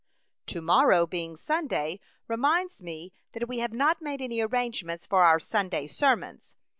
" To morrow being Sunday reminds me that we have not made any ar rangements for our Sunday sermons.